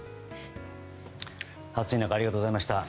暑い中ありがとうございました。